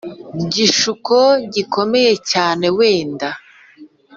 Gishuko gikomeye cyane wenda